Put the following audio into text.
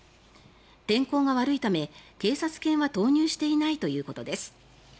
天候が悪いため、警察犬は投入していないということです。